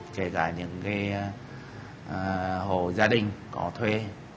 kể cả những hồ gia đình có thuê